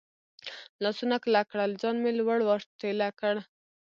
لاسونه کلک کړل، ځان مې لوړ ور ټېله کړ.